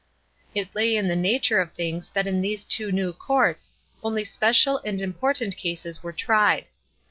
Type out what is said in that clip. It lay in the nature of things that in these two new courts only special and important causes were tried.